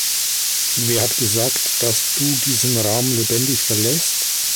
Wer hat gesagt, dass du diesen Raum lebendig verlässt?